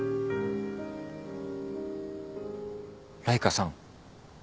ライカさん。